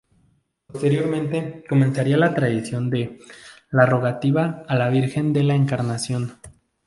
Posteriormente, comenzaría la tradición de "La Rogativa a la Virgen de la Encarnación".